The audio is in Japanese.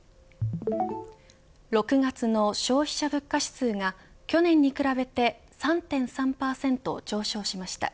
６月の消費者物価指数が去年に比べて３．３％上昇しました。